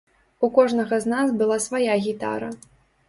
У кожнага з нас была свая гітара.